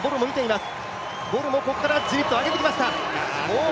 ボルもここからしっかりと上げてきました。